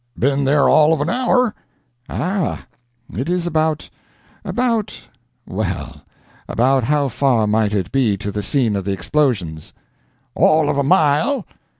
"Been there all of an hour!" "Ah. It is about about well, about how far might it be to the scene of the explosions." "All of a mile!"